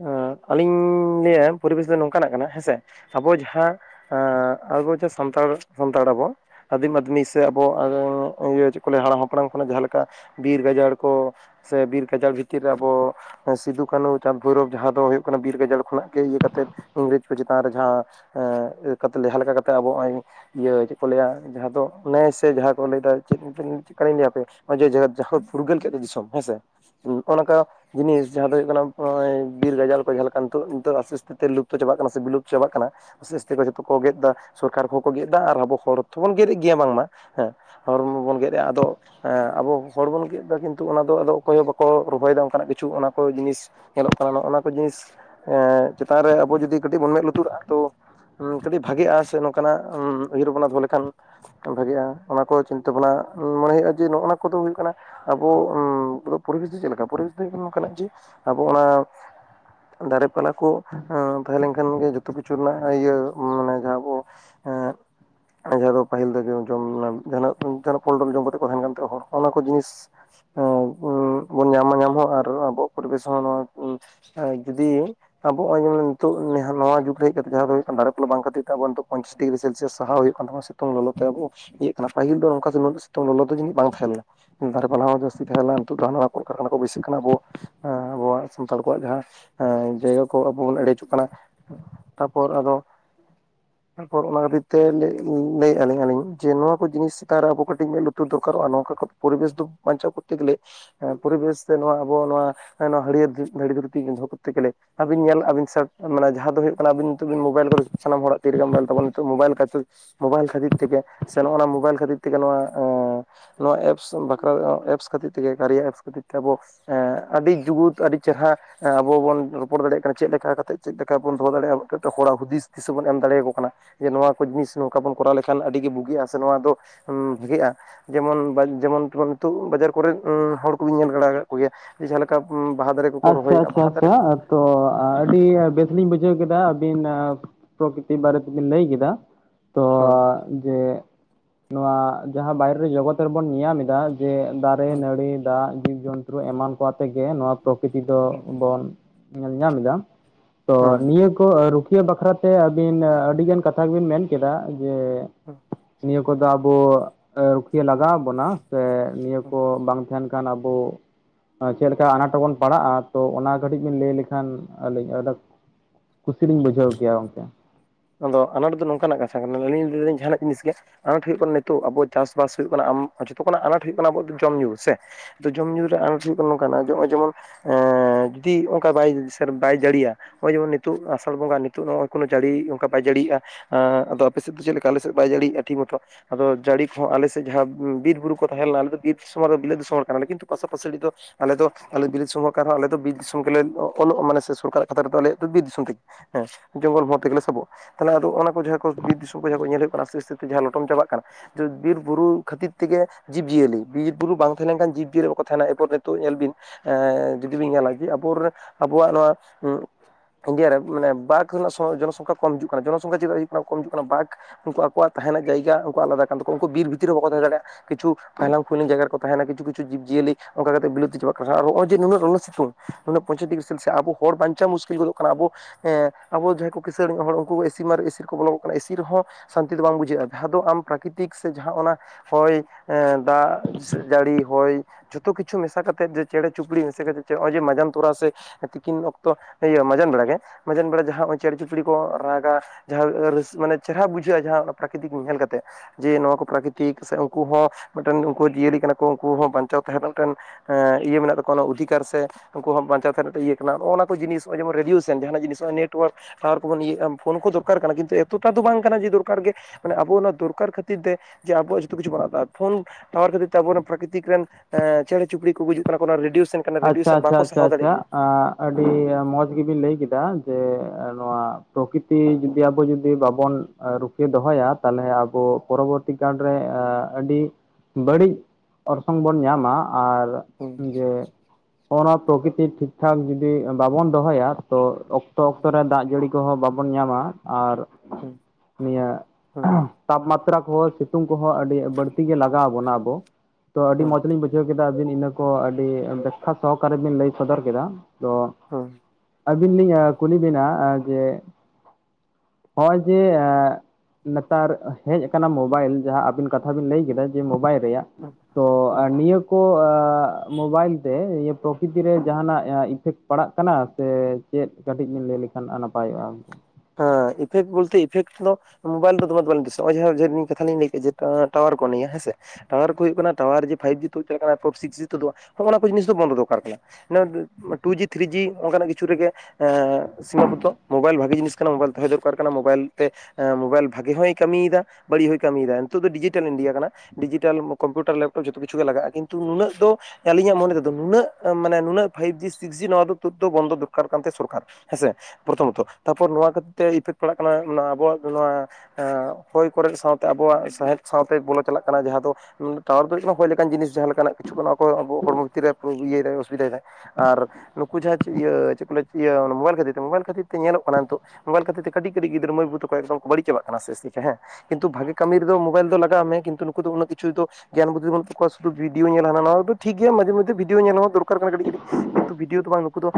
ᱮᱸ ᱟᱹᱞᱤᱧ ᱞᱟᱹᱭᱟ ᱯᱚᱨᱤᱵᱮᱥ ᱫᱚ ᱱᱚᱝᱠᱟᱱᱟᱜ ᱠᱟᱱᱟ ᱦᱮᱸᱥᱮ ᱟᱵᱚ ᱡᱟᱦᱟᱸ ᱮ ᱟᱵᱚ ᱡᱟᱦᱟᱸ ᱥᱟᱱᱛᱟᱲ ᱥᱟᱱᱛᱟᱲ ᱟᱵᱚ ᱟᱹᱫᱤᱢ ᱟᱹᱫᱢᱤ ᱥᱮ ᱟᱵᱚ ᱮ ᱤᱭᱟ. ᱪᱮᱫ ᱠᱚ ᱞᱟ. ᱭᱟ ᱦᱟᱲᱟᱢ ᱦᱟᱯᱲᱟᱢ ᱠᱷᱚᱱᱟᱜ ᱡᱟᱦᱟᱸ ᱞᱮᱠᱟ ᱵᱤᱨ ᱜᱟᱡᱟᱲ ᱠᱚ ᱥᱮ ᱵᱤᱨ ᱜᱟᱡᱟᱲ ᱵᱷᱤᱛᱤᱨ ᱨᱮ ᱟᱵᱚ ᱥᱤᱫᱩ ᱠᱟᱹᱱᱩ ᱪᱟᱸᱫ ᱵᱷᱳᱭᱨᱚᱵ ᱡᱟᱦᱟᱸ ᱫᱚ ᱦᱩᱭᱩᱜ ᱠᱟᱱᱟ ᱵᱤᱨ ᱜᱟᱡᱟᱲ ᱠᱷᱚᱱᱟᱜ ᱜᱮ ᱤᱭᱟᱹ ᱠᱟᱛᱮᱫ ᱤᱝᱨᱮᱡᱽ ᱠᱚ ᱪᱮᱛᱟᱱ ᱨᱮ ᱡᱟᱦᱟᱸ ᱦᱮᱸ ᱮ ᱠᱟᱛᱮ ᱡᱟᱦᱟᱸ ᱞᱮᱠᱟ ᱠᱟᱛᱮᱜ ᱟᱵᱚ ᱱᱚᱜᱼᱚᱭ ᱤᱭᱟᱹ ᱪᱮᱫ ᱠᱚ ᱞᱟᱹᱭᱟ ᱡᱟᱦᱟᱸ ᱫᱚ ᱚᱱᱮ ᱥᱮ ᱡᱟᱦᱟᱸ ᱠᱚ ᱞᱟᱹᱭᱟ ᱪᱮᱫ ᱠᱟᱞᱤᱧ ᱞᱟᱹᱭᱟ ᱦᱟᱯᱮ ᱱᱚᱜᱼᱚᱭ ᱡᱮ ᱡᱟᱸᱦᱟ ᱯᱷᱩᱨᱜᱟᱹᱞ ᱠᱮᱫ ᱫᱚ ᱫᱤᱥᱚᱢ ᱦᱮᱸᱥᱮ ᱱᱚᱜᱼᱚ ᱱᱚᱝᱠᱟ ᱡᱤᱱᱤᱥ ᱡᱟᱦᱟᱸ ᱫᱚ ᱦᱩᱭᱩᱜ ᱠᱟᱱᱟ ᱦᱚᱜ ᱚᱭ ᱵᱤᱨ ᱜᱟᱡᱟᱞ ᱠᱚ ᱡᱟᱸᱦᱟ ᱞᱮᱠᱟ ᱱᱤᱛᱚᱜ ᱱᱤᱛᱚᱜ ᱟᱥᱛᱮ ᱟᱥᱛᱮ ᱛᱮ ᱞᱩᱯᱛᱚ ᱪᱟᱵᱟᱜ ᱠᱟᱱᱟ ᱥᱮ ᱵᱤᱞᱩᱯᱛᱚ ᱪᱟᱵᱟᱜ ᱠᱟᱱᱟ ᱟᱥᱛᱮ ᱟᱥᱛᱮ ᱠᱚ ᱡᱷᱚᱛᱚ ᱠᱚ ᱜᱮᱫ ᱫᱟ ᱥᱚᱨᱠᱟᱨ ᱠᱚᱦᱚᱸ ᱠᱚ ᱜᱮᱫ ᱫᱟ ᱟᱨ ᱟᱵᱚ ᱦᱚᱲ ᱛᱚᱵᱚᱱ ᱜᱮᱫᱮᱜ ᱜᱮᱭᱟ ᱵᱟᱝᱢᱟ ᱦᱮᱸ ᱦᱚᱲ ᱢᱟᱵᱚᱱ ᱜᱮᱫ ᱟ ᱟᱫᱚ ᱮᱸ ᱟᱵᱚ ᱦᱚᱲ ᱵᱚᱱ ᱜᱮᱫ ᱫᱟ ᱠᱤᱱᱛᱩ ᱚᱱᱟ ᱫᱚ ᱚᱠᱚᱭ ᱦᱚᱸ ᱵᱟᱠᱚ ᱨᱚᱦᱚᱭᱮᱫᱟ ᱚᱱᱠᱟᱱᱟᱜ ᱠᱤᱪᱷᱩ ᱚᱱᱟ ᱠᱚ ᱡᱤᱱᱤᱥ ᱧᱮᱞᱚᱜ ᱠᱟᱱᱟ ᱱᱚᱜᱼ ᱱᱚᱣᱟ ᱠᱚ ᱡᱤᱱᱤᱥ ᱪᱮᱛᱟᱱ ᱨᱮ ᱟᱵᱚ ᱡᱩᱫᱤ ᱠᱟᱹᱴᱤᱡ ᱵᱚᱱ ᱢᱮᱸᱫ ᱞᱩᱛᱩᱨᱼᱟ ᱛᱚ ᱠᱟᱹᱴᱤᱡ ᱵᱷᱟᱜᱮᱜᱜᱼᱟ ᱥᱮ ᱱᱚᱝᱠᱟᱱᱟᱜ ᱩᱭᱦᱟᱹᱨᱟ ᱵᱷᱟᱵᱱᱟ ᱫᱚᱦᱚ ᱞᱮᱠᱷᱟᱱ ᱵᱷᱟᱜᱮᱜᱜᱼᱟ ᱚᱱᱟ ᱠᱚ ᱪᱤᱱᱛᱟᱹ ᱵᱷᱟᱵᱽᱱᱟ ᱢᱚᱱᱮ ᱦᱩᱭᱩᱜᱼᱟ ᱡᱮ ᱱᱚᱜᱼ ᱱᱚᱣᱟ ᱠᱚᱫᱚ ᱦᱩᱭᱩᱜ ᱠᱟᱱᱟ ᱟᱵᱚ ᱯᱚᱨᱤᱵᱮᱥ ᱫᱚ ᱪᱮᱫ ᱞᱮᱠᱟ ᱯᱚᱨᱤᱵᱮᱥ ᱫᱚ ᱦᱩᱭᱩᱜ ᱠᱟᱱᱟ ᱡᱮ ᱟᱵᱚ ᱚᱱᱟ ᱫᱟᱨᱮ ᱯᱟᱟᱞᱞᱟ ᱠᱚ ᱛᱟᱦᱮᱸ ᱞᱮᱱᱠᱷᱟᱱ ᱜᱮ ᱡᱚᱛᱚ ᱠᱤᱪᱷᱩ ᱨᱮᱱᱟᱜ ᱤᱭᱟᱹ ᱢᱟᱱᱮ ᱡᱟᱦᱟᱸᱵᱚ ᱦᱮᱸ ᱡᱟᱦᱟᱸ ᱫᱚ ᱯᱟᱹᱦᱤᱞ ᱫᱚ ᱡᱚᱢᱱᱟᱜᱱᱟᱜ ᱯᱚᱞᱴᱚᱞ ᱡᱚᱢ ᱠᱟᱛᱮᱜ ᱠᱚ ᱛᱟᱦᱮᱱ ᱠᱟᱱ ᱛᱟᱦᱮᱸ ᱚᱱᱟ ᱠᱚ ᱡᱤᱱᱤᱥ ᱮᱸ ᱩᱸ ᱵᱚᱱ ᱧᱟᱢᱟ ᱧᱟᱢ ᱦᱚᱸ ᱟᱨ ᱟᱵᱚᱣᱟᱜ ᱯᱚᱨᱤᱵᱮᱥ ᱦᱚᱸ ᱱᱚᱣᱟ ᱦᱮᱸ ᱡᱩᱫᱤ ᱟᱵᱚ ᱚᱭ ᱧᱮᱞ ᱢᱮ ᱱᱤᱛᱚᱜ ᱱᱚᱣᱟ ᱡᱩᱜ ᱨᱮ ᱦᱮᱡ ᱠᱟᱛᱮ ᱡᱟᱦᱟᱸ ᱫᱚ ᱦᱩᱭᱩᱜ ᱠᱟᱱᱟ ᱫᱟᱨᱮ ᱯᱟᱞᱞᱟ ᱵᱟᱝ ᱠᱷᱟᱹᱤᱨ ᱛᱮ ᱟᱵᱚ ᱱᱤᱛᱚᱜ ᱯᱚᱸᱪᱟᱥ ᱰᱤᱜᱨᱤ ᱥᱮᱞᱥᱤᱭᱟ ᱥᱟᱦ ᱦᱩᱭᱩᱜ ᱠᱟᱱ ᱛᱟᱵᱚ ᱥᱮ ᱥᱤᱛᱩᱝ ᱞᱚᱞᱚ ᱛᱮ ᱟᱵᱚ ᱤᱭᱟᱹᱜ ᱠᱟᱱᱟ ᱯᱟᱹᱦᱤᱞ ᱫᱚ ᱱᱚᱝᱠᱟᱱᱟᱹᱜ ᱥᱤᱛᱩᱝ ᱞᱚᱞᱚ ᱫᱚ ᱡᱟᱱᱤᱡ ᱵᱟᱝ ᱛᱟᱦᱮᱸ ᱞᱮᱱᱟ ᱫᱟᱨᱮ ᱯᱟᱞᱟ ᱦᱚᱸ ᱡᱟᱹᱥᱛᱤ ᱛᱟᱦᱮᱸ ᱞᱮᱱᱟ ᱱᱤᱛᱚᱜ ᱫᱚᱟᱱᱟ ᱱᱚᱣᱟ ᱠᱚᱠᱟᱨᱠᱷᱟᱱᱟ ᱠᱚ ᱵᱟᱹᱭᱥᱟᱹᱜ ᱠᱟᱱᱟ ᱟᱵᱚ ᱟᱵᱚᱣᱟᱜ ᱥᱟᱱᱛᱟᱲ ᱠᱚᱣᱟᱜ ᱡᱟᱦᱟᱸ ᱮ ᱡᱟᱭᱜᱟ ᱠᱚ ᱟᱵᱚ ᱵᱚᱱ ᱮᱲᱮᱮᱡᱚᱜ ᱠᱟᱱᱟ ᱛᱟᱨᱯᱚᱨ ᱟᱫᱚ ᱛᱟᱨᱯᱚᱨ ᱚᱱᱟ ᱠᱷᱟᱹᱛᱤᱨ ᱛᱮ ᱞᱟᱹᱭᱮᱫ ᱟᱹᱞᱤᱧ ᱟᱹᱞᱤᱧ ᱡᱮ ᱱᱚᱣᱟ ᱠᱚ ᱡᱤᱱᱤᱥ ᱪᱮᱛᱟᱱ ᱨᱮ ᱟᱵᱚ ᱠᱟᱹᱴᱤᱡᱫ ᱞᱩᱛᱩᱨ ᱫᱚᱨᱠᱟᱨᱚᱜᱼᱟ ᱱᱚᱝᱠᱟ ᱠᱷ ᱯᱚᱨᱤᱵᱮᱥ ᱫᱚ ᱵᱟᱧᱪᱟᱣ ᱠᱚᱨᱛᱮ ᱜᱮᱞᱮ ᱯᱚᱨᱤᱵᱮᱥ ᱥᱮ ᱱᱚᱣᱟ ᱟᱵᱚ ᱱᱚᱣᱟ ᱦᱮᱸ ᱱᱚᱣᱟ ᱦᱟᱹᱨᱭᱟᱹᱲ ᱫᱷᱩᱲᱤ ᱫᱷᱨᱛᱤ ᱫᱚ ᱠᱚᱨᱛᱮ ᱜᱮᱞᱮ ᱟᱹᱵᱤᱱ ᱧᱮᱞ ᱟᱵᱤᱱ ᱥᱮᱜ ᱢᱟᱱᱮ ᱡᱟᱦᱟᱸ ᱫᱚ ᱦᱩᱭᱩᱜ ᱠᱟᱱᱟ ᱟᱵᱤᱱ ᱱᱤᱛᱚᱜ ᱢᱳᱵᱟᱭᱤᱞ ᱠᱚᱫᱚ ᱥᱟᱱᱟᱢ ᱦᱚᱲᱟᱜ ᱛᱤᱜᱮ ᱢᱳᱵᱟᱤᱞ ᱛᱟᱵᱚᱱ ᱱᱤᱛᱚᱜ ᱢᱳᱵᱤᱞ ᱠᱷᱟ ᱢᱳᱵᱟᱭᱤᱞ ᱠᱷᱟᱹᱛᱤᱨ ᱛᱮᱜᱮ ᱥᱮ ᱱᱚᱜᱼᱚ ᱱᱚᱣᱟ ᱢᱳᱵᱟᱭᱤᱞ ᱠᱷᱟᱹᱛᱤᱨ ᱛᱮᱜᱮ ᱱᱚᱣᱟ ᱮᱸ ᱱᱚᱣᱟ ᱮᱯᱥ ᱵᱟᱠᱷᱨᱟ ᱮᱯᱥ ᱠᱷᱟᱹᱛᱤᱨ ᱛᱮᱜᱮ ᱠᱟᱨᱭᱟ ᱮᱯᱥ ᱠᱷᱟᱹᱛᱤᱨ ᱛᱮ ᱟᱵᱚ ᱮ ᱟᱹᱰᱤ ᱡᱩᱜᱩᱫ ᱟᱹᱰᱤ ᱪᱮᱨᱦᱨᱟ ᱟᱵᱚ ᱵᱚᱱ ᱨᱚᱯᱚᱲ ᱫᱟᱲᱮᱭᱟᱜ ᱠᱟᱱᱟ ᱪᱮᱫ ᱞᱮᱠᱟ ᱠᱟᱛᱮᱜ ᱪᱮᱫ ᱞᱮᱠᱟ ᱵᱚᱱ ᱫᱚᱦᱚ ᱫᱟᱲᱮᱭᱟᱜᱼᱟ ᱦᱚᱲᱟᱜ ᱦᱩᱫᱤᱥ ᱫᱤᱥᱟᱹ ᱵᱚᱱ ᱮᱢ ᱫᱟᱲᱮᱠᱚ ᱠᱟᱱᱟ ᱡᱮ ᱱᱚᱣᱟ ᱠᱚ ᱡᱤᱱᱤᱥ ᱱᱚᱝᱠᱟ ᱵᱚᱱ ᱠᱚᱨᱟᱣ ᱞᱮᱠᱷᱟᱱ ᱟᱹᱰᱤᱜᱮ ᱵᱩᱜᱤᱜᱼᱟ ᱥᱮ ᱱᱚᱣᱟ ᱫᱚ ᱦᱩᱸ ᱵᱷᱟᱜᱤᱼᱟ ᱡᱮᱢᱚᱱ ᱡᱮᱢᱚᱱ ᱱᱤᱛᱚᱜ ᱵᱟᱡᱟᱨ ᱠᱚᱨᱮ ᱦᱚᱲ ᱠᱚᱵᱧ ᱧᱮᱞ ᱵᱟᱲᱟ ᱟᱠᱟᱫ ᱠᱚᱜᱮᱭᱟ ᱡᱟᱦᱟᱸᱮᱠᱟ ᱵᱟᱦᱟ ᱫᱟᱨᱮ ᱟᱪᱪᱷᱟ ᱟᱪᱪᱷᱟ ᱟᱪᱪᱷᱟ ᱛᱚ ᱟᱹᱰᱤ ᱵᱮᱥ ᱞᱤᱧ ᱵᱩᱡᱷᱟᱹᱣ ᱠᱮᱫᱟ ᱟᱹᱵᱤᱱ ᱯᱨᱚᱠᱤᱛᱤ ᱵᱟᱨᱮ ᱛᱮᱵᱤᱱ ᱞᱟᱹᱭ ᱠᱮᱫᱟ ᱛᱚ ᱦᱸ ᱡᱮ ᱱᱚᱣᱟ ᱡᱟᱦᱟᱸ ᱵᱟᱭᱨᱮ ᱨᱮ ᱡᱚᱜᱚᱛ ᱨᱮᱵᱚᱱ ᱧᱟᱢ ᱮᱫᱟ ᱡᱮ ᱫᱟᱨᱮ ᱫᱟᱨᱮ ᱦᱮᱸ ᱱᱟᱹᱲᱤ ᱫᱟᱜ ᱡᱤᱵ ᱡᱚᱱᱛᱩ ᱮᱢᱟᱱ ᱠᱚ ᱟᱛᱮ ᱜᱮᱮ ᱱᱚᱣᱟ ᱯᱨᱚᱠᱤᱛ ᱫᱚ ᱵᱚᱱ ᱧᱮᱞ ᱧᱟᱢ ᱮᱫᱟᱢ ᱛᱚ ᱦᱮᱸ ᱱᱤᱭᱟᱹ ᱠᱚ ᱨᱩᱠᱷᱤᱭᱟᱹ ᱵᱟᱠᱷᱨᱟ ᱛᱮ ᱟᱹᱵᱤᱱ ᱟᱹᱰᱤᱜᱟᱱ ᱠᱟᱛᱷᱟ ᱜᱮᱵᱤᱱ ᱢᱮᱱ ᱠᱮᱫᱟ ᱡᱮ ᱦᱮᱸ ᱱᱤᱭᱟᱹ ᱠᱚᱫᱚ ᱟᱵᱚ ᱨᱩᱠᱷᱤᱭᱟᱹ ᱞᱟᱜᱟᱣ ᱵᱚᱱᱟ ᱥᱮ ᱱᱤᱭᱟᱹ ᱠᱚ ᱵᱟᱝ ᱛᱟᱦᱮᱱ ᱠᱷᱟᱱ ᱟᱵᱚ ᱪᱮᱫ ᱞᱮᱠᱟ ᱟᱱᱟᱴ ᱵᱚᱱ ᱯᱟᱲᱟᱜᱼᱟ ᱛᱚ ᱚᱱᱟ ᱠᱟᱹᱴᱤᱡ ᱵᱮᱱ ᱞᱟᱹᱭ ᱞᱮᱠᱷᱟᱱ ᱟᱹᱞᱤᱧ ᱟ ᱠᱩᱥᱤ ᱞᱤᱧ ᱵᱩᱡᱷᱟᱹᱣᱠᱮᱭᱟ ᱚᱝᱠᱟ ᱟᱫᱚ ᱟᱱᱟᱴ ᱫᱚ ᱱᱚᱝᱠᱟᱱᱟᱜ ᱠᱟᱛᱷᱟ ᱠᱟᱱᱟ ᱞᱤᱧ ᱞᱟᱹᱭ ᱫᱟᱹᱧ ᱡᱟᱦᱟᱱᱟᱜ ᱡᱤᱱᱤᱥ ᱜᱮ ᱟᱱᱟᱴ ᱦᱩᱭᱩᱜ ᱠᱟᱱᱟ ᱱᱤᱛᱚᱜ ᱟᱵᱚ ᱪᱟᱥᱵᱟᱥ ᱦᱩᱭᱩᱜ ᱠᱟᱱᱟ ᱡᱚᱛᱚ ᱠᱷᱚᱱᱟᱜ ᱟᱱᱟᱴ ᱦᱩᱭᱩᱜ ᱠᱟᱱᱟ ᱟᱵᱚᱣᱟᱜ ᱫᱚ ᱡᱚᱢ ᱧᱩ ᱥᱮ ᱡᱚᱢ ᱧᱩ ᱨᱮ ᱟᱴ ᱱᱚ ᱱᱚᱜᱼᱚᱭ ᱡᱮᱢᱚᱱ ᱡᱩᱫᱤ ᱚᱱᱠᱟ ᱵᱟᱭ ᱵᱟᱭ ᱡᱟᱹᱲᱤᱭᱟ ᱱᱚᱜᱼᱚᱭ ᱡᱮᱢᱚᱱ ᱱᱤᱛᱚᱜ ᱟᱥ ᱟᱲ ᱵᱚᱸᱜᱟ ᱱᱤᱛᱚᱜ ᱱᱚᱜᱼᱚᱭ ᱠᱳᱱᱳ ᱡᱟᱹᱲᱤ ᱚᱱᱠᱟ ᱵᱟᱭ ᱡᱟᱹᱲᱤᱭᱮᱜᱼᱟ ᱟᱫᱚ ᱟᱯᱮ ᱥᱮᱫ ᱫᱚ ᱪᱮᱫ ᱞᱮᱠᱟ ᱟᱞᱮ ᱥᱮᱫ ᱵᱟᱭ ᱡᱟᱹᱲᱤᱭᱜᱼᱟ ᱴᱷᱤᱠ ᱢᱚᱛᱚ ᱟᱫᱚ ᱡᱟᱹᱲᱤ ᱠᱚᱦᱚᱸ ᱟᱞᱮ ᱥᱮᱫ ᱡᱟᱦᱟᱸ ᱵᱤᱨ ᱵᱩᱨᱩ ᱠᱚ ᱛᱟᱦᱮᱸ ᱞᱮᱱᱟ ᱟᱞᱮ ᱫᱚ ᱵᱤᱨ ᱫᱤᱥᱚᱢ ᱨᱮ ᱵᱤᱞᱟᱹᱛ ᱫᱤᱥᱚᱢ ᱦᱚᱲ ᱠᱟᱱᱟᱞᱮ ᱠᱤᱱᱛᱩ ᱯᱟᱥᱟ ᱯᱟᱥᱤ ᱨᱮᱫᱚ ᱟᱞᱮᱫᱚ ᱟᱞᱮ ᱵᱤᱨ ᱫᱤᱥᱚᱢ ᱦᱚᱲ ᱠᱟᱱ ᱨᱮᱦᱚᱸ ᱟᱞᱮ ᱫᱚ ᱵᱤᱨ ᱫᱤᱥᱚᱢ ᱜᱮᱞᱮ ᱚᱞᱚᱜ ᱢᱟᱱᱮ ᱥᱮ ᱥᱚᱨᱠᱟᱨᱟᱜ ᱠᱟᱛᱟ ᱨᱮᱫᱚ ᱟᱞᱮ ᱫᱚ ᱵᱤᱨ ᱫᱤᱥᱚᱢ ᱛᱮᱜᱮ ᱦᱮᱸ ᱡᱚᱝᱜᱚᱞ ᱢᱚᱨᱛᱮ ᱜᱮᱞᱮ ᱥᱚᱵᱚᱜ ᱛᱟᱦᱚᱞᱮ ᱟᱫᱚ ᱚᱱᱟ ᱠᱚ ᱡᱟᱦᱟᱸ ᱠᱚ ᱵᱤᱨ ᱫᱤᱥᱚᱢ ᱠᱚ ᱡᱟᱦᱟᱸ ᱠᱚ ᱧᱮᱞ ᱦᱩᱭᱩᱜ ᱠᱟᱱᱟ ᱥᱛᱤᱨ ᱛᱮ ᱡᱟᱦᱟᱸ ᱠᱚ ᱞᱚᱴᱚᱢ ᱪᱟᱵᱟᱜ ᱠᱟᱱᱟ ᱛᱚ ᱵᱤᱨ ᱵᱩᱨᱩ ᱠᱷᱟᱹᱛᱤᱨ ᱛᱮᱜᱮ ᱡᱤᱵᱽᱡᱤᱭᱟᱹᱞᱤ ᱵᱤᱨ ᱵᱩᱨᱩ ᱵᱟᱝ ᱛᱟᱦᱮᱸ ᱞᱮᱱᱠᱷᱟᱱ ᱡᱤᱵᱽᱡᱤᱭᱟᱹᱞᱤ ᱵᱟᱠᱚ ᱛᱟᱦᱮᱱᱟ ᱮᱯᱚᱨ ᱱᱤᱛᱚᱜ ᱧᱮᱞ ᱵᱤᱱ ᱡᱩᱫᱤ ᱵᱤᱱ ᱧᱮᱞᱟ ᱡᱮ ᱟᱵᱚᱨᱮᱱ ᱟᱵᱚᱣᱟᱜ ᱱᱚᱣᱟ ᱤᱝᱜᱮ ᱨᱮ ᱢᱟᱱᱮ ᱵᱟᱜᱽ ᱨᱮᱱᱟᱜ ᱡᱚᱱᱚ ᱥᱚᱝᱠᱷᱟ ᱠᱚᱢ ᱦᱤᱡᱩᱜ ᱠᱟᱱᱟ ᱡᱚᱱᱚ ᱥᱚᱝᱠᱷᱟ ᱪᱮᱫᱟᱜ ᱦᱩᱭᱩᱜ ᱠᱟᱱᱟ ᱠᱚᱢ ᱦᱤᱡᱩᱜ ᱠᱟᱱᱟ ᱵᱟᱜ ᱩᱱᱠᱩ ᱟᱠᱚᱣᱟᱜ ᱛᱟᱦᱮᱱᱟᱜ ᱡᱟᱭᱜᱟ ᱩᱱᱠᱩ ᱟᱜ ᱟᱞᱟᱫᱟ ᱠᱟᱱ ᱛᱟᱠᱚᱣᱟ ᱩᱱᱠᱩ ᱵᱤᱨ ᱵᱷᱤᱛᱤᱨ ᱨᱮ ᱵᱟᱠᱚ ᱛᱟᱦᱮᱸ ᱫᱟᱲᱮᱭᱟᱜᱼᱟ ᱾ᱠᱤᱪᱷᱩ ᱯᱷᱟᱭᱞᱟᱝ ᱯᱷᱩᱭᱞᱟᱝ ᱡᱟᱭᱜᱟ ᱨᱮ ᱛᱟᱦᱮᱱᱟ ᱠᱤᱪᱷᱩ ᱠᱤᱪᱷᱩ ᱡᱤᱵᱽ ᱡᱤᱭᱟᱹᱞᱤ ᱚᱱᱠᱟ ᱠᱟᱛᱮ ᱵᱤᱞᱟᱹᱛᱤ ᱪᱟᱵᱟᱜ ᱠᱟᱱᱟ ᱱᱚᱜᱼᱚᱭ ᱡᱮ ᱱᱩᱱᱟᱹᱜ ᱞᱚᱞᱚ ᱥᱤᱛᱩᱝ ᱩᱱᱟᱹᱜ ᱯᱚᱪᱟᱭ [unintelligible] ᱥᱮ ᱟᱵᱚ ᱦᱚᱲ ᱵᱟᱧᱪᱟᱣ ᱢᱩᱥᱠᱤᱞ ᱜᱚᱫᱚᱜ ᱠᱟᱱᱟ ᱟᱵᱚ ᱦᱮᱸ ᱟᱵᱚ ᱡᱟᱦᱟᱸᱭ ᱠᱚ ᱠᱤᱥᱟᱹᱬ ᱧᱚᱜ ᱦᱚᱲ ᱩᱱᱠᱩ ᱮᱥᱤ ᱢᱟᱨ ᱮᱥᱤ ᱠᱚ ᱵᱚᱞᱚᱜ ᱠᱟᱱᱟ, ᱤᱥᱤ ᱨᱮᱦᱚᱸ ᱥᱟᱱᱛᱤ ᱫᱚ ᱵᱟᱝ ᱵᱩᱡᱷᱟᱹᱜᱼᱟ ᱡᱟᱦᱟᱸ ᱫᱚ ᱟᱢ ᱯᱨᱟᱠᱨᱤᱛᱤᱠ ᱥᱮ ᱡᱟᱦᱟᱸ ᱚᱱᱟ ᱦᱳᱭ ᱫᱟᱜ ᱡᱟᱹᱲᱤ ᱦᱚᱭ ᱡᱷᱚᱛᱚ ᱠᱤᱪᱷᱩ ᱢᱮᱥᱟ ᱠᱟᱛᱮ ᱪᱮᱬᱮ ᱪᱩᱯᱲᱤ ᱢᱮᱥᱮ ᱠᱟᱛᱮ ᱱᱚᱜᱼᱚᱭ ᱡᱮ ᱢᱟᱡᱟᱱ ᱛᱚᱨᱟ ᱥᱮ ᱛᱤᱠᱤᱱ ᱚᱠᱛᱚ ᱤᱭᱟᱹ ᱢᱟᱡᱟᱱ ᱵᱮᱲᱮ ᱜᱮ ᱢᱟᱡᱟᱱ ᱵᱮᱲᱟ ᱡᱟᱦᱟᱸ ᱱᱚᱜᱼᱚᱭ ᱡᱮ ᱪᱮᱬᱮ ᱪᱩᱯᱲᱤ ᱠᱚ ᱨᱟᱜᱟ᱾ ᱡᱟᱦᱟᱸ ᱟᱹ ᱨᱟᱹᱥ ᱢᱟᱱᱮ ᱡᱟᱦᱟ ᱵᱩᱡᱷᱟᱹᱜᱼᱟ ᱡᱟᱦᱟᱸ ᱚᱱᱟ ᱯᱨᱟᱠᱨᱤᱛᱤᱠ ᱧᱮᱞ ᱠᱟᱛᱮ᱾ ᱡᱮ ᱱᱚᱣᱟ ᱠᱚ ᱯᱨᱟᱠᱨᱤᱛᱤᱠ ᱥᱮ ᱩᱱᱠᱩ ᱦᱚᱸ ᱢᱤᱫᱴᱮᱱ ᱩᱱᱠᱩ ᱡᱤᱭᱟᱹᱞᱤ ᱠᱟᱱᱟ ᱠᱚ ᱩᱱᱠᱩ ᱦᱚᱸ ᱵᱟᱧᱪᱟᱣ ᱛᱟᱦᱮᱸ ᱫᱚ ᱢᱤᱫᱴᱮᱱ ᱤᱭᱟᱹ ᱢᱮᱱᱟᱜ ᱛᱟᱠᱚᱣᱟ ᱚᱱᱟ ᱚᱫᱷᱤᱠᱟᱨ ᱥᱮ ᱩᱱᱠᱩ ᱦᱚᱸ ᱵᱟᱧᱪᱟᱣ ᱛᱟᱦᱮᱸ ᱨᱮᱱᱟᱜ ᱤᱭᱟᱹ ᱠᱟᱱᱟ ᱱᱚᱜᱼᱚ ᱱᱚᱣᱟ ᱠᱚ ᱡᱤᱱᱤᱥ ᱱᱟᱜ-ᱚ ᱡᱮᱢᱚᱱ ᱨᱮᱰᱤᱭᱳᱮᱥᱮᱱ ᱡᱟᱦᱱᱟᱜ ᱡᱤᱱᱤᱥ ᱱᱮᱴᱳᱣᱟᱨᱠ ᱟᱨ ᱠᱚᱵᱚᱱ ᱤᱭᱟᱹ ᱟ ᱯᱷᱳᱱ ᱠᱚ ᱫᱚᱨᱠᱟᱨ ᱠᱟᱱᱟ ᱠᱤᱱᱛᱩ ᱮᱛᱚᱴᱟ ᱫᱚ ᱵᱟᱝ ᱠᱟᱱᱟ ᱡᱮ ᱫᱚᱨᱠᱟᱨ ᱜᱮ᱾ ᱢᱟᱱᱮ ᱟᱵᱚ ᱚᱱᱟ ᱫᱚᱨᱠᱟᱨ ᱠᱷᱟᱹᱛᱤᱨ ᱛᱮ ᱡᱮ ᱟᱵᱚᱣᱟᱜ ᱡᱚᱛᱚ ᱠᱤᱪᱷᱩ ᱵᱚᱱ ᱟᱫ ᱯᱷᱳᱱ ᱴᱟᱣᱟᱨ ᱠᱷᱟᱹᱛᱤᱨ ᱛᱮ ᱟᱵᱚ ᱚᱱᱟ ᱯᱨᱟᱠᱨᱤᱛᱤᱠ ᱨᱮᱱ ᱮᱸ ᱪᱮᱬᱮ ᱪᱩᱲᱤ ᱠᱚ ᱜᱩᱡᱩᱜ ᱠᱟᱱᱟ ᱚᱱᱟ ᱨᱮᱰᱤᱭᱳᱥᱮᱱ ᱠᱟᱱᱟ ᱟᱪᱪᱷᱟ ᱨᱮᱰᱤᱭᱳᱥᱮᱱ ᱟᱪᱪᱷᱟ ᱵᱟᱠᱚ ᱟᱪᱪᱷᱟ ᱥᱟᱦᱟᱣ ᱫᱟᱲᱮᱭᱟᱜ ᱟᱪᱪᱷᱟ ᱜᱮᱭᱟ ᱟᱹᱰᱤ ᱦᱩᱸ ᱢᱚᱡᱽ᱾ ᱜᱮᱵᱤᱱ ᱞᱟᱹᱭ ᱠᱮᱫᱟ ᱡᱮ ᱱᱚᱣᱟ ᱯᱨᱚᱠᱤᱛᱤ ᱛᱤ ᱡᱩᱫᱤ ᱟᱵᱚ ᱡᱩᱫᱤ ᱵᱟᱵᱚᱱ ᱨᱩᱠᱷᱤᱭᱟᱹ ᱫᱚᱦᱚᱭᱟ ᱛᱟᱦᱚᱞᱮ ᱟᱵᱚ ᱯᱚᱨᱚᱵᱚᱨᱛᱤ ᱠᱟᱞ ᱨᱮ ᱟᱹᱰᱤ ᱵᱟᱹᱲᱤᱡ ᱚᱨᱥᱚᱝ ᱵᱚᱱ ᱧᱟᱢᱟ᱾ ᱟᱨ ᱦᱩᱸ ᱡᱮ ᱱᱚᱜᱼᱱᱚᱣᱟ ᱯᱨᱚᱠᱨᱤᱛᱤ ᱴᱷᱤᱠ ᱴᱷᱟᱠ ᱡᱩᱫᱤ ᱵᱟᱵᱚᱱ ᱫᱚᱦᱚᱭᱟ ᱛᱚ ᱚᱠᱛᱚ ᱚᱠᱛᱚ ᱨᱮ ᱫᱟᱜ ᱡᱟᱹᱲᱤ ᱠᱚᱦᱚᱸ ᱵᱟᱵᱚᱱ ᱧᱟᱢᱟ ᱟᱨ ᱦᱩᱸ ᱱᱤᱭᱟᱹ ᱦᱩᱸ ᱛᱟᱯᱢᱟᱛᱨᱟ ᱠᱚᱦᱚᱸ ᱥᱤᱛᱩᱝ ᱠᱚᱦᱚᱸ ᱟᱹᱰᱤ ᱵᱟᱹᱲᱛᱤ ᱜᱮ ᱞᱟᱜᱟᱣ ᱵᱚᱱᱟ ᱟᱵᱚ ᱛᱚ ᱟᱹᱰᱤ ᱢᱚᱸᱡᱽ ᱦᱮᱸ ᱞᱤᱧ ᱵᱩᱡᱷᱟᱹᱣ ᱵᱩᱡᱷᱟᱹᱣ ᱠᱮᱫᱟ ᱟᱹᱵᱤᱱ ᱤᱱᱟᱹ ᱠᱚ ᱟᱹᱰᱤ ᱵᱮᱠᱷᱟ ᱥᱚᱦᱚᱠᱟᱨᱮ ᱵᱤᱱ ᱞᱟᱹᱭ ᱥᱚᱫᱚᱨ ᱠᱮᱫᱟ ᱾ᱛᱚ ᱦᱮᱸ ᱟᱹᱵᱤᱱ ᱞᱤᱧ ᱠᱩᱞᱤ ᱵᱤᱱᱟ ᱡᱮ ᱦᱚᱜᱼᱚᱭ ᱡᱮ ᱱᱮᱛᱟᱨ ᱦᱮᱡ ᱟᱠᱟᱱᱟ ᱢᱳᱵᱟᱭᱤᱞ ᱡᱟᱦᱟᱸ ᱟᱹᱵᱤᱱ ᱠᱟᱛᱷᱟ ᱵᱤᱱ ᱞᱟᱹᱭ ᱠᱮᱫᱟ ᱡᱮ ᱢᱳᱵᱟᱭᱤᱞ ᱨᱮᱭᱟᱜ ᱦᱮᱸ ᱛᱚ ᱦᱮᱸ ᱱᱤᱭᱟᱹ ᱠᱚ ᱢᱳᱵᱟᱭᱤᱞ ᱥᱮ ᱤᱭᱟᱹ ᱯᱨᱚᱠᱤᱛᱤ ᱨᱮ ᱡᱟᱦᱟᱱᱟᱜ ᱤᱯᱷᱮᱠᱴ ᱯᱟᱲᱟᱜ ᱠᱟᱱᱟ ᱥᱮ ᱪᱮᱫ ᱠᱟᱹᱴᱤᱡᱵᱤᱱ ᱞᱟᱹᱭ ᱞᱮᱠ ᱟᱱ ᱱᱟᱯᱟᱭᱚᱜᱼᱟ ᱩᱱ ᱫᱚ ᱦᱮᱸ ᱤᱯᱷᱮᱠᱴ ᱵᱚᱞᱛᱮ ᱤᱯᱷᱮᱠᱴ ᱫᱚ ᱢᱳᱵᱟᱭᱤᱞ ᱫᱚ [unintelligible] ᱞᱤᱧ ᱞᱟᱹᱭ ᱠᱮᱫ ᱴᱟᱣᱟᱨ ᱠᱚ ᱱᱤᱭᱟ ᱦᱮᱸ ᱥᱮ ᱴᱟᱣᱟᱨ ᱠᱩ ᱦᱩᱭᱩᱜ ᱠᱟᱱᱟ ᱴᱟᱣᱟᱨ ᱡᱮ ᱯᱷᱟᱭᱤᱵᱽ ᱡᱤ ᱛᱷᱩᱜ ᱪᱟᱞᱟᱠ ᱠᱟᱱᱟ ᱯᱷᱳᱨ ᱥᱤᱠᱥ ᱡᱤ ᱛᱩᱫᱩᱜ-ᱟ ᱱᱚᱜ-ᱱᱚᱭᱟᱠᱚ ᱡᱤᱱᱤᱥ ᱫᱚ ᱵᱚᱱᱫᱚ ᱫᱚᱨᱠᱟᱨ ᱠᱟᱱᱟ᱾ ᱴᱩ ᱡᱤ ᱛᱷᱨᱤ ᱡᱤ ᱚᱱᱠᱟᱱᱟᱜ ᱠᱤᱪᱷᱩ ᱨᱮᱜᱮ ᱮᱸ ᱥᱤᱢᱟ ᱵᱚᱫᱽᱫᱚ ᱢᱳᱵᱟᱭᱤᱞ ᱵᱷᱟᱜᱤ ᱡᱤᱱᱤᱥ ᱢᱳᱵᱟᱭᱤᱞ ᱛᱟᱦᱮᱸ ᱫᱚᱨᱠᱟᱨ ᱠᱟᱱᱟ ᱢᱳᱵᱟᱭᱤᱞ ᱛᱮ ᱢᱳᱵᱟᱭᱤᱞ ᱵᱷᱟᱜᱮ ᱦᱚᱭ ᱠᱟᱹᱢᱤᱭᱮᱫᱟ᱾ ᱵᱟᱹᱲᱤᱡ ᱦᱚᱸᱭ ᱠᱟᱹᱢᱤᱭᱮᱫᱟ ᱱᱤᱛᱚᱜ ᱫᱚ ᱰᱤᱡᱤᱴᱮᱞ ᱤᱱᱰᱤᱭᱟ ᱠᱟᱱᱟ᱾ ᱰᱤᱡᱤᱴᱟᱞ ᱠᱚᱢᱯᱩᱴᱟᱨ ᱞᱮᱯᱴᱚᱯ ᱡᱚᱛᱚᱠᱤᱪᱷᱩ ᱜᱮ ᱞᱟᱜᱼᱟ ᱠᱤᱱᱛᱩ ᱱᱩ ᱱᱟᱹᱜ ᱫᱚ ᱟᱹᱞᱤᱧᱟᱜ ᱢᱚᱱᱮ ᱛᱮᱫᱚ ᱱᱩᱱᱟᱹᱜ ᱢᱟᱱᱮ ᱱᱩᱱᱟᱹᱜ ᱯᱷᱟᱭᱤᱵᱽ ᱡᱤ ᱥᱤᱠᱥ ᱡᱤ ᱱᱚᱣᱟ ᱫᱚ ᱵᱚᱱᱫᱚ ᱫᱚᱨᱠᱟᱨ ᱠᱟᱱ ᱛᱟᱭᱟ ᱥᱚᱨᱠᱟᱨ᱾ ᱦᱮᱸᱥᱮ ᱯᱨᱚᱛᱷᱚᱢᱚᱛᱚ ᱛᱟᱨᱯᱚᱨ ᱱᱚᱣᱟ ᱠᱷᱟᱹᱛᱤᱨ ᱛᱮ ᱤᱯᱷᱮᱠᱴ ᱯᱟᱲᱟᱜ ᱠᱟᱱᱟ ᱱᱚᱣᱟ ᱟᱵᱚᱣᱟᱜ ᱱᱚᱣᱟ ᱦᱚᱭ ᱠᱚᱨᱮᱫ ᱥᱟᱶᱛᱮ ᱟᱵᱚᱣᱟᱜ ᱥᱟᱶᱦᱮᱫ ᱥᱟᱶᱛᱮ ᱵᱚᱞᱚ ᱪᱟᱞᱟᱜ ᱠᱟᱱᱟ ᱡᱟᱦᱟᱸ ᱫᱚ ᱴᱟᱣᱟᱨ ᱫᱚ ᱦᱩᱭᱩᱜ ᱠᱟᱱᱟ ᱦᱚᱭ ᱞᱮᱠᱟᱱ ᱡᱤᱱᱤᱥ, ᱡᱟᱦᱟᱸ ᱞᱮᱠᱟᱱᱟᱜ ᱠᱤᱪᱷᱩ ᱜᱟᱱ ᱚᱱᱟ ᱠᱚ ᱟᱵᱚ ᱦᱚᱲᱢᱚ ᱵᱷᱤᱛᱤᱨ ᱨᱮ ᱤᱭᱟᱹᱭᱫᱟᱭ ᱚᱥᱩᱵᱤᱫᱷᱟᱭᱮᱫᱟᱭ᱾ ᱟᱨ ᱱᱩᱠᱩ ᱡᱟᱦᱟᱸᱭ ᱤᱭᱟᱹ ᱪᱮᱫ ᱠᱚ ᱞᱟᱹᱭᱟ ᱢᱳᱵᱟᱭᱤᱞ ᱠᱷᱟᱹᱛᱤᱨ ᱛᱮ ᱢᱳᱵᱟᱭᱤᱞ ᱠᱷᱟᱹᱛᱤᱨ ᱛᱮ ᱧᱮᱞᱚᱜ ᱠᱟᱱᱟ ᱱᱤᱛᱚᱜ ᱢᱳᱵᱟᱭᱤᱞ ᱠᱷᱟᱹᱛᱤᱨ ᱛᱮ ᱠᱟᱹᱴᱤᱡ ᱠᱟᱹᱴᱤᱡ ᱜᱤᱫᱽᱨ ᱢᱟᱹᱭ ᱵᱟᱹᱵᱩ ᱛᱟᱠᱚ ᱮᱠᱫᱚᱢ ᱠᱚ ᱵᱟᱹᱲᱤᱡ ᱪᱟᱵᱟᱜ ᱠᱟᱱᱟ ᱥᱮ ᱪᱤᱠ ᱦᱮᱸ ᱠᱤᱱᱛᱩ ᱵᱷᱟᱜᱤ ᱠᱟᱹᱢᱤ ᱨᱮᱫᱚ ᱢᱳᱵᱟᱭᱤᱞ ᱫᱚ ᱞᱟᱜᱟᱣ ᱢᱮ ᱠᱤᱱᱛᱩ ᱱᱩᱠᱩ ᱫᱚ ᱩᱱᱟᱹᱜ ᱠᱤᱪᱷᱩ ᱫᱚ ᱜᱮᱭᱟᱱ ᱵᱩᱫᱫᱷᱤ ᱵᱟᱹᱱᱩᱜ ᱛᱟ ᱠᱚᱣᱟ ᱥᱩᱫᱩ ᱵᱷᱤᱰᱤᱭᱳ ᱧᱮᱞ ᱦᱟᱱᱟ ᱱᱚᱣᱟ ᱫᱚ ᱴᱷᱤᱠ ᱜᱮᱭᱟ ᱢᱟᱡᱷᱮᱢᱚᱫᱫᱷᱮ ᱵᱷᱤᱰᱤᱭᱳ ᱧᱮᱞ ᱦᱚᱸ ᱫᱚᱠᱟᱨ ᱠᱟᱱᱟ ᱠᱟᱹᱴᱤᱡ᱾ ᱠᱤᱱᱛᱩ ᱵᱷᱤᱰᱤᱭᱳ ᱫᱚ ᱵᱟᱝ ᱱᱩᱠᱩ ᱫᱚ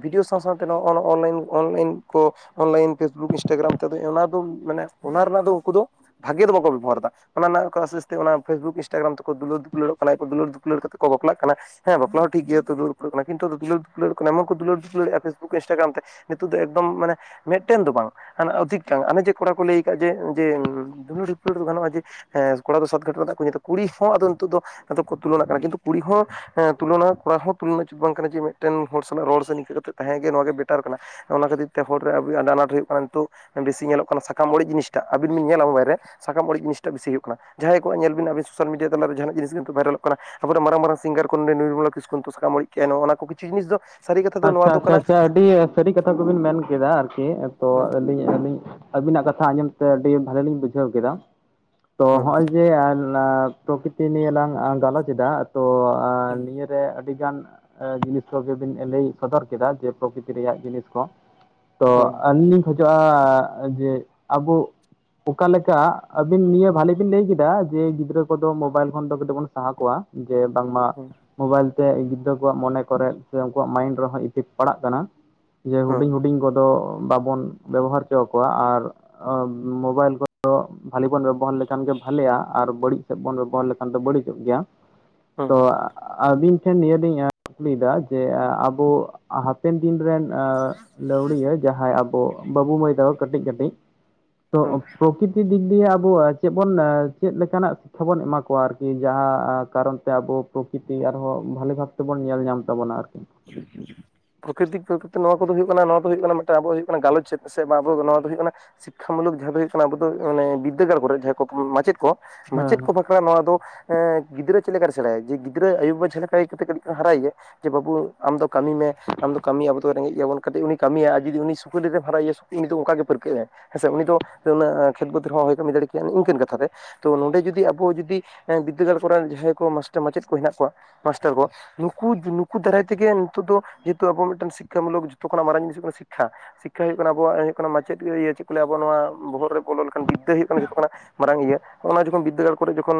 ᱵᱷᱤᱰᱤᱭᱳ ᱥᱟᱶ ᱥᱟᱶᱛᱮ ᱱᱚᱜᱼᱚᱭ ᱚᱱ ᱚᱱᱞᱟᱭᱤᱱ ᱚᱱᱞᱟᱭᱤᱱ ᱠᱚ ᱚᱱᱞᱟᱭᱤᱱ ᱯᱷᱮᱥᱵᱩᱠ ᱤᱱᱥᱴᱟᱜᱨᱟᱢ ᱛᱮᱫᱚ ᱚᱱᱟ ᱫᱚ ᱢᱟᱱᱮ ᱚᱱᱟ ᱨᱮᱱᱟᱜ ᱫᱚ ᱩᱱᱠᱩ ᱫᱚ ᱵᱷᱟᱜᱮ ᱫᱚ ᱵᱟᱠᱚ ᱵᱮᱵᱚᱦᱟᱨᱮᱫᱟ᱾ ᱚᱱᱟ [unintelligible] ᱟᱥᱤᱥᱛᱮ ᱚᱱᱟ ᱯᱷᱮᱥᱵᱩᱠ ᱤᱱᱥᱴᱟᱜᱨᱟᱢ ᱛᱮᱠᱚ ᱫᱩᱞᱟᱹᱲ ᱫᱩᱯᱞᱟᱹᱲᱚᱜ ᱠᱟᱱᱟ ᱫᱩᱞᱟᱹᱲ ᱫᱩᱯᱞᱟᱹᱲ ᱠᱟᱛᱮ ᱠᱚ ᱵᱟᱯᱞᱟᱜ ᱠᱟᱱᱟ᱾ ᱦᱮᱸ ᱵᱟᱯᱞᱟ ᱦᱚᱸ ᱴᱷᱤᱴ ᱜᱮᱭᱟ ᱫᱩᱞᱟᱹᱲ ᱫᱩᱯᱞᱟᱹᱲᱚᱜ ᱠᱟᱱᱟ ᱠᱤᱱᱛᱩ ᱫᱩᱞᱟᱹᱲ ᱫᱩᱯᱞᱟᱹᱲᱚᱜ ᱠᱟᱱᱟ ᱮᱢᱚᱱ ᱠᱚ ᱫᱩᱞᱟᱹᱲ ᱫᱩᱯᱟᱹᱲᱚᱜᱼᱟ ᱯᱷᱮᱥᱵᱩ ᱤᱱᱥᱴᱟᱜᱨᱟᱢ ᱛᱮ ᱱᱤᱛᱚᱜ ᱫᱚ ᱮᱠᱫᱚᱢ ᱢᱟᱱᱮ ᱢᱤᱫᱴᱮᱱ ᱫᱚ ᱵᱟᱝ ᱦᱟᱱᱟ ᱚᱫᱷᱤᱠᱴᱟᱝ ᱚᱱᱮ ᱡᱮ ᱠᱚᱲᱟ ᱠᱚ ᱞᱟᱹᱭ ᱟᱠᱟᱫᱼᱟ ᱡᱮ ᱡᱮ ᱫᱩᱞᱟᱹᱲ ᱦᱤᱯᱟᱹᱲ ᱫᱚ ᱜᱟᱱᱚᱜᱼᱟ ᱡᱮ ᱦᱮᱸ ᱠᱚᱲᱟ ᱫᱚ ᱥᱟᱛ ᱜᱷᱟᱴᱚ ᱢᱮᱱᱟᱜ ᱠᱚᱣᱟ ᱠᱩᱲᱤ ᱦᱚᱸ ᱟᱫᱚ ᱱᱤᱛᱚᱜ ᱫᱚ ᱱᱤᱛ ᱠᱚ ᱛᱩᱞᱚᱱᱟ ᱠᱟᱱᱟ ᱠᱤᱱᱛᱩ ᱠᱩᱲᱤ ᱦᱚᱸ ᱦᱮᱸ ᱛᱩᱞᱚᱱᱟ ᱠᱚᱲᱟ ᱦᱚᱸ ᱛᱩᱞᱚᱱᱟᱪᱤᱛ ᱵᱟᱝ ᱠᱟᱱᱟ ᱡᱮ ᱢᱤᱫᱴᱮᱱ ᱦᱚᱲ ᱥᱟᱞᱟᱜ ᱨᱚᱲ ᱥᱮ ᱱᱤᱝᱠᱟᱹ ᱠᱟᱛᱮᱜ ᱛᱟᱦᱮᱸ ᱜᱮ ᱱᱚᱣᱟᱜᱮ ᱵᱮᱴᱟᱨ ᱠᱟᱱᱟ᱾ ᱚᱱᱟ ᱠᱷᱟᱹᱛᱤᱨ ᱛᱮ ᱯᱷᱚᱨ ᱨᱮ ᱟᱱᱟᱴ ᱦᱩᱭᱩᱜ ᱠᱟᱱᱟ ᱱᱤᱛᱚᱜ ᱵᱮᱥᱤ ᱧᱮᱞᱚᱜ ᱠᱟᱱᱟ ᱥᱟᱠᱟᱢ ᱚᱲᱮᱡ ᱡᱤᱱᱤᱥᱴᱟ ᱟᱹᱵᱤᱱ ᱵᱤᱱ ᱧᱮᱞᱟ ᱢᱳᱵᱟᱭᱤᱞᱨᱮ ᱥᱟᱠᱟᱢ ᱚᱲᱮᱡ ᱡᱤᱱᱤᱥ ᱴᱟ ᱵᱤᱥᱤ ᱦᱩᱭᱩᱜ ᱠᱟᱱᱟ, ᱡᱟᱦᱟᱸᱭ ᱠᱚᱣᱟᱜ ᱧᱮᱞᱤᱱ ᱟᱵ ᱥᱳᱥᱟᱞ ᱢᱤᱰᱤᱭᱟ ᱛᱟᱞᱮ ᱡᱟᱦᱟᱱᱟᱜ ᱡᱤᱱᱤᱥ ᱠᱤᱱᱛᱩ ᱵᱷᱟᱭᱨᱟᱞᱚᱜ ᱠᱟᱱᱟ᱾ ᱟᱵᱚᱨᱮᱱ ᱢᱟᱨᱟᱝ ᱢᱟᱨᱟᱝ ᱥᱤᱝᱜᱟᱨ ᱠᱚ ᱱᱤᱨᱢᱚᱞᱞᱟ ᱠᱤᱥᱠᱩ ᱥᱟᱠᱟᱢ ᱚᱲᱮᱡ ᱠᱮᱭᱟ ᱚᱱᱟ ᱠᱚ ᱠᱤᱷᱩ ᱡᱤᱱᱤᱥ ᱫᱚ ᱥᱟᱹᱨᱤ ᱠᱟᱛᱷᱟ ᱫᱚ ᱱᱚᱣᱟ ᱟᱪᱪᱷᱟ ᱫᱚ ᱟᱪᱪᱷᱟ ᱠᱟᱱᱟ ᱟᱪᱪᱷᱟ ᱟᱹᱰᱤ ᱥᱟᱹᱨᱤ ᱠᱟᱛᱷᱟ ᱠᱚᱵᱤᱱ ᱢᱮᱱ ᱠᱮᱫᱟ ᱟᱨᱠᱤ ᱦᱩᱸ ᱛᱤᱦᱤᱧ ᱟᱹᱞᱤᱧ ᱟᱹᱵᱤᱱᱟᱜ ᱠᱟᱛᱷᱟ ᱟᱸᱡᱚᱢ ᱛᱮ ᱟᱹᱰᱤ ᱵᱷᱟᱞᱤ ᱞᱤᱧ ᱵᱩᱡᱷᱟᱹᱣ ᱠᱮᱫᱟ᱾ ᱛᱚ ᱦᱩᱸ ᱦᱚᱜ-ᱚᱭ ᱡᱮ ᱯᱨᱚᱠᱨᱤᱛᱤ ᱱᱤᱭᱮ ᱞᱟᱝ ᱜᱟᱞᱚᱪ ᱮᱫᱟ ᱛᱚ ᱦᱩᱸ ᱱᱤᱭᱟᱹᱨᱮ ᱟᱹᱰᱤ ᱜᱟᱱ ᱡᱤᱱᱤᱥ ᱠᱚᱜᱮ ᱞᱟᱹᱭ ᱥᱚᱫᱚᱨ ᱠᱮᱫᱟ ᱡᱮ ᱯᱨᱚᱠᱨᱤᱛᱤ ᱨᱮᱭᱟᱜ ᱡᱤᱱᱤᱥ ᱠᱚ ᱛᱚ ᱟᱹᱞᱤᱧ ᱞᱤᱧ ᱠᱷᱚᱡᱚᱜ-ᱟ ᱡᱮ ᱟᱵᱩ ᱚᱠᱟ ᱞᱮᱠᱟ ᱟᱹᱵᱤᱱ ᱱᱤᱭᱟᱹ ᱵᱷᱟᱞᱤ ᱵᱤᱱ ᱞᱟᱹᱭ ᱠᱮᱫᱟ ᱡᱮ ᱜᱤᱫᱽᱨᱟᱹ ᱠᱚᱫᱚ ᱢᱳᱵᱟᱭᱤᱞ ᱠᱷᱚᱱ ᱫᱚ ᱠᱟᱹᱴᱤᱡ ᱵᱚᱱ ᱥᱟᱦᱟ ᱠᱚᱣᱟ᱾ ᱡᱮ ᱵᱟᱝᱢᱟ ᱦᱩᱸ ᱦᱩᱸ ᱢᱚᱵᱟᱭᱤᱞ ᱛᱮ ᱜᱤᱫᱽᱨᱟᱹ ᱠᱚᱣᱟᱜ ᱢᱚᱱᱮ ᱠᱚᱨᱮ ᱥᱮ ᱩᱱᱠᱩᱣᱟᱜ ᱢᱟᱭᱤᱱᱰ ᱨᱮᱦᱚᱸ ᱤᱯᱷᱮᱠᱴ ᱯᱟᱲᱟᱜ ᱠᱟᱱᱟ ᱡᱮ ᱦᱩᱰᱤᱧ ᱦᱩᱰᱤᱧ ᱠᱚᱫᱚ ᱵᱟᱵᱚᱱ ᱵᱮᱵᱚᱦᱟᱨ ᱚᱪᱚ ᱟᱠᱚᱣᱟ ᱟᱨ ᱢᱳᱵᱟᱭᱤᱞ ᱠᱚ ᱫᱚ ᱵᱷᱟᱞᱤ ᱵᱚᱱ ᱵᱮᱵᱚᱦᱟᱨ ᱞᱮᱠᱷᱟᱱ ᱜᱮ ᱵᱷᱟᱞᱤᱜ-ᱟ ᱟᱨ ᱵᱟᱹᱲᱤᱡ ᱥᱮᱫ ᱵᱚᱱ ᱵᱮᱵᱚᱦᱟᱨ ᱞᱮᱠᱷᱟᱱ ᱫᱚ ᱵᱟᱹᱲᱤᱡᱚᱜ ᱜᱮᱭᱟ᱾ ᱦᱩᱸ ᱛᱚ ᱟᱹᱵᱤᱱ ᱴᱷᱮᱱ ᱱᱤᱭᱟᱹ ᱞᱤᱧ ᱠᱩᱠᱞᱤᱭᱮᱫᱟ, ᱡᱮ ᱟᱵᱩ ᱦᱟᱯᱮᱱ ᱫᱤᱱ ᱨᱮᱱ ᱞᱟᱹᱣᱲᱤᱭᱟᱹ ᱡᱟᱦᱟᱸᱭ ᱟᱵᱩ ᱵᱟᱵᱩ ᱢᱟᱹᱭ ᱛᱟᱠᱚ ᱠᱟᱹᱴᱤᱡ ᱠᱟᱹᱴᱤᱡ ᱛᱚ ᱦᱩᱸ ᱯᱨᱚᱠᱤᱛᱤᱠ ᱫᱤᱠ ᱫᱤᱭᱮ ᱟᱵᱚᱣᱟᱜ ᱪᱮᱫ ᱵᱚᱱ ᱪᱮᱫ ᱞᱮᱠᱟᱱᱟᱜ ᱥᱤᱠᱠᱷᱟ ᱵᱚᱱ ᱮᱢᱟ ᱠᱚᱣᱟ ᱟᱨᱠᱤ ᱡᱟᱦᱟᱸ ᱠᱟᱨᱚᱱᱛᱮ ᱟᱵᱩ ᱯᱨᱚᱠᱤᱛᱤ ᱟᱨᱦᱚᱸ ᱵᱷᱟᱞᱤ ᱵᱷᱟᱵ ᱛᱮᱵᱚᱱ ᱧᱮᱞ ᱧᱟᱢ ᱛᱟᱵᱚᱱᱟ ᱟᱨᱠᱤ [inaudible] ᱯᱨᱚᱠᱤᱛᱤᱠ ᱱᱚᱣᱟ ᱠᱚᱫᱚ ᱦᱩᱭᱩᱜ ᱠᱟᱱᱟ ᱱᱚᱣᱟ ᱫᱚ ᱦᱩᱭᱩᱜ ᱠᱟᱱᱟ ᱢᱤᱫᱴᱟᱝ ᱟᱵᱚᱣᱟᱜ ᱦᱩᱭᱩᱜ ᱠᱟᱱᱟ ᱜᱟᱞᱚᱪ ᱥᱮᱫ ᱥᱮ ᱟᱵᱚ ᱱᱚᱣᱟ ᱫᱚ ᱦᱩᱭᱩᱜ ᱠᱟᱱᱟ ᱵᱟ ᱥᱤᱠᱠᱷᱟ ᱢᱩᱞᱩᱠ ᱡᱟᱦᱟᱸ ᱫᱚ ᱦᱩᱭᱩᱜ ᱠᱟᱱᱟ ᱟᱵᱚ ᱫᱚ ᱢᱟᱱᱮ ᱵᱤᱫᱽᱫᱟᱹᱜᱟᱲ ᱠᱚᱨᱮ ᱡᱟᱦᱟᱸᱭ ᱠᱚ ᱢᱟᱪᱮᱫ ᱠᱚ ᱦᱮᱸ ᱢᱟᱪᱮᱫ ᱦᱮᱸ ᱠᱚ ᱵᱟᱠ ᱠᱷᱨᱟ ᱱᱚᱣᱟ ᱫᱚ ᱜᱤᱫᱽᱨᱟᱹ ᱪᱮᱫ ᱞᱮᱠᱟᱨᱮ ᱥᱮᱬᱟᱭᱟ ᱡᱮ ᱜᱤᱫᱽᱨᱟᱹ ᱟᱭᱩᱵᱟᱵᱟ ᱡᱟᱦᱟᱸᱞᱮᱠᱟ ᱠᱟᱛᱮ ᱠᱟᱹᱴᱤᱡ ᱦᱟᱨᱟᱭᱮᱭᱟ ᱡᱮ ᱵᱟᱹᱵᱩ ᱟᱢ ᱫᱚ ᱠᱟᱹᱢᱤ ᱢᱮ ᱟᱢ ᱫᱚ ᱠᱟᱹᱢᱤ ᱟᱵᱚ ᱫᱚ ᱨᱮᱸᱜᱮᱡ ᱜᱮᱭᱟᱵᱚᱱ ᱠᱟᱴᱤᱡ ᱩᱱᱤᱭ ᱠᱟᱹᱢᱤᱭᱟ ᱟᱨ ᱡᱩᱫᱤ ᱩᱱᱤ ᱥᱩᱠᱤᱞᱮᱢ ᱦᱟᱨᱟᱭᱮᱭᱟ ᱩᱱᱤ ᱫᱚ ᱩᱱᱠᱟᱜᱮ ᱯᱟᱹᱨᱠᱟᱹᱜ ᱟᱭ ᱦᱮᱸᱥᱮ ᱩᱱᱤ ᱫᱚ ᱠᱷᱮᱛ ᱵᱟᱹᱫᱽ ᱨᱮᱦᱚᱸ ᱦᱚᱭ ᱠᱟᱹᱢᱤ ᱫᱟᱲᱮᱠᱭᱟ ᱤᱱᱠᱟᱹᱱ ᱠᱟᱛᱷᱟ ᱛᱮ ᱛᱚ ᱱᱚᱸᱰᱮ ᱡᱩᱫᱤ ᱟᱵᱚ ᱡᱩᱫᱤ ᱵᱤᱫᱽᱫᱟᱹᱜᱟᱲ ᱠᱚᱨᱮᱱ ᱡᱟᱦᱟᱸᱭ ᱠᱚ ᱢᱟᱥᱴᱟᱨ ᱢᱟᱪᱮᱫ ᱠᱚ ᱦᱮᱱᱟᱜ ᱠᱚᱣᱟ ᱢᱟᱥᱴᱟᱨ ᱠᱚ ᱱᱩᱠᱩ ᱱᱩᱠᱩ ᱫᱟᱨᱟᱭ ᱛᱤᱜᱤᱱ ᱱᱤᱛᱚᱜ ᱫᱚ ᱡᱮᱦᱮᱛᱩ ᱟᱵᱚ ᱢᱤᱫᱴᱟᱝ ᱥᱤᱠᱠᱷᱟ ᱢᱩᱞᱚᱠ ᱡᱚᱛᱚ ᱠᱷᱚᱱᱟᱜ ᱢᱟᱨᱟᱝ ᱡᱤᱱᱤᱥ ᱦᱩᱭᱩᱜ ᱠᱟᱱᱟ ᱥᱤᱠᱠᱷᱟ ᱥᱤᱠᱠᱷᱟ ᱦᱩᱭᱩᱜ ᱠᱟᱱᱟ ᱟᱵᱚᱣᱟᱜ ᱦᱩᱭᱩᱜ ᱠᱟᱱᱟ ᱢᱟᱪᱮᱫ ᱜᱤ ᱤᱭᱟ. ᱪᱮᱫ ᱠᱚ ᱞᱟᱹᱭᱟ ᱟᱵᱚ ᱱᱚᱣᱟ ᱵᱚᱦᱚᱜ ᱨᱮ ᱵᱚᱞᱚ ᱞᱮᱠᱟᱱ ᱵᱤᱫᱽᱫᱟᱹ ᱦᱩᱭᱩᱜ ᱠᱟᱱᱟ ᱡᱚᱛᱚ ᱠᱷᱚᱱᱟᱜ ᱢᱟᱨᱟᱝ ᱤᱭᱟᱹ ᱦᱚᱜ ᱚᱱᱟ ᱡᱚᱠᱷᱚᱱ ᱵᱤᱫᱽᱫᱟᱹᱜᱟᱲ ᱠᱚᱨᱮ ᱡᱚᱠᱷᱚᱱ